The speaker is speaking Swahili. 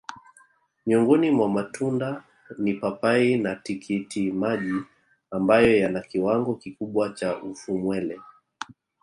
Miongoni mwa matunda ni papai na tikitimaji ambayo yana kiwango kikubwa cha ufumwele